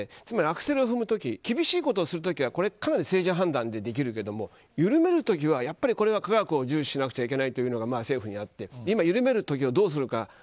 つまりアクセルを踏む時厳しいことをする時はかなり政治判断でできるけれども緩める時は科学を重視しなくちゃいけないというのが政府にあって今、緩める時をどうするか。